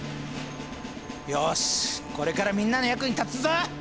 よしこれからみんなの役に立つぞ！